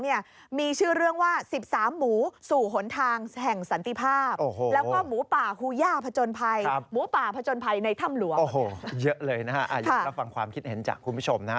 เยอะเลยนะฮะอยากจะฟังความคิดเห็นจากคุณผู้ชมนะฮะ